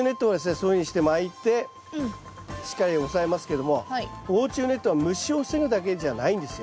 そういうふうにしてまいてしっかり押さえますけども防虫ネットは虫を防ぐだけじゃないんですよ。